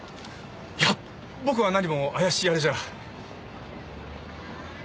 いや僕は何も怪しいあれじゃ。